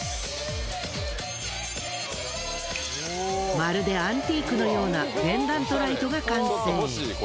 まるでアンティークのようなペンダントライトが完成。